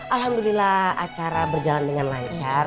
alhamdulillah acara berjalan dengan lancar